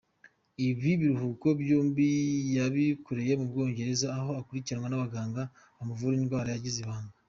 Ibi biruhuko byombi yabikoreye mu Bwongereza aho akurikiranwa n’ abaganga bamuvura indwara yagizwe ibanga.